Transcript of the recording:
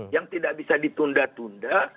yang tidak bisa ditunda tunda